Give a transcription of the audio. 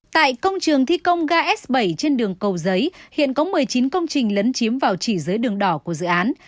tại công trường thi công ga s bảy trên đường cầu giấy hiện có một mươi chín công trình lấn chiếm vào chỉ dưới đường đỏ của dự án